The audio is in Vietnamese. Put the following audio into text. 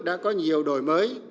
đã có nhiều đổi mới